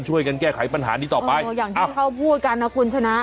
ช่วยกันแก้ไขปัญหานี้ต่อไปอ๋ออย่างที่เขาพูดกันนะคุณชนะ